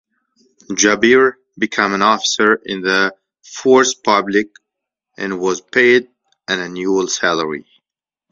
Djabir became an officer in the "Force Publique" and was paid an annual salary.